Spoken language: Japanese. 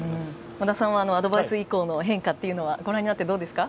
和田さんはアドバイス以降の変化はご覧になっていかがですか？